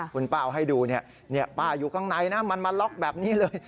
คุณป้าเอาให้ดูป้าอยู่ข้างในนะมันมาล็อกแบบนี้เลย